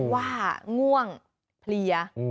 ว่าง่วงเพลีย